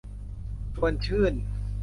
ชวนชื่น